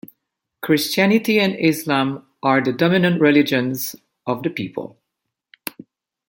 Christianity and Islam are the dominant religions of the people.